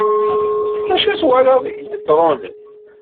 Acu twalaḍ deg Ibetṛunen?